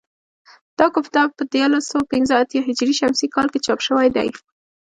دا کتاب په دیارلس سوه پنځه اتیا هجري شمسي کال کې چاپ شوی دی